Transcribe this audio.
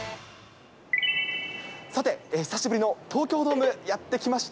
さて、久しぶりの東京ドームやって来ました。